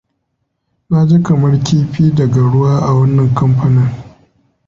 Na ji kamar kifi daga ruwa a wannan kamfanin.